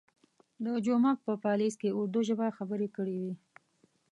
د جومک په پالیز کې اردو ژبه خبرې کړې وې.